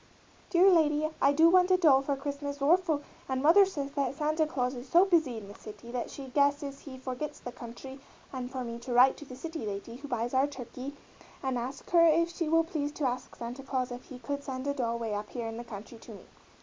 _ dere lady I doo want a dol for Christmas orful and mother says that Sante Claws is so busy in the city that she gueses he forgits the cuntry and for me to rite to the city lady who buys our turkey and ask her if she will pleas to ask Sante Claws if he could send a dol way up here in the cuntry to me.